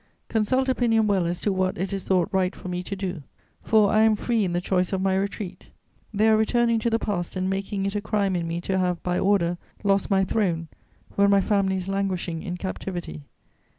Consult opinion well as to what it is thought right for me to do, for I am free in the choice of my retreat; they are returning to the past and making it a crime in me to have, by order, lost my throne, when my family is languishing in captivity.